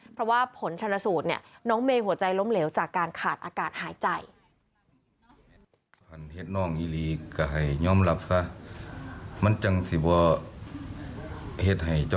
เพราะว่าผลชนสูตรเนี่ยน้องเมย์หัวใจล้มเหลวจากการขาดอากาศหายใจ